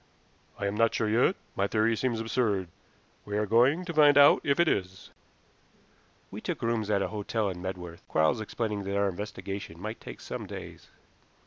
"I am not sure yet. My theory seems absurd. We are going to find out if it is." We took rooms at a hotel in Medworth, Quarles explaining that our investigations might take some days.